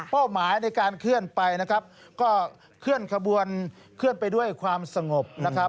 เป้าหมายในการเคลื่อนไปก็เคลื่อนไปด้วยความสงบ